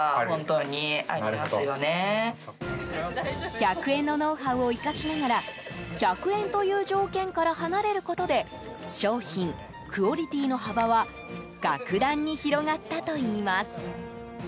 １００円のノウハウを生かしながら１００円という条件から離れることで商品、クオリティーの幅は各段に広がったといいます。